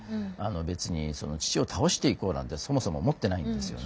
別に父を倒していこうなんてそもそも思ってないんですよね。